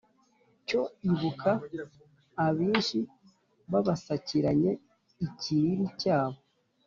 cyo ibuka abishi babasakiranye ikiriri cyabo